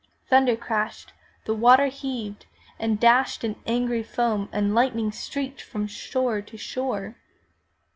Thunder crashed, the water heaved and dashed in angry foam and lightning streaked from shore to shore.